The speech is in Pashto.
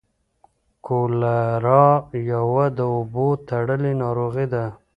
کولرا یوه د اوبو تړلۍ ناروغي ده.